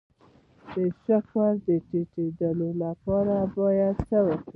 د شکر د ټیټیدو لپاره باید څه وکړم؟